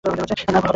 আর ভুল হবে না।